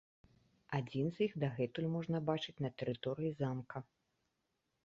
Адзін з іх дагэтуль можна бачыць на тэрыторыі замка.